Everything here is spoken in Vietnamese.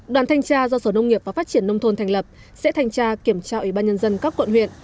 đoàn thanh tra do sở nông nghiệp và phát triển nông thôn thành lập sẽ thanh tra kiểm tra ủy ban nhân dân các quận huyện